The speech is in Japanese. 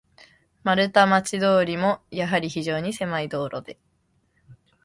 丸太町通も、やはり非常にせまい道路で、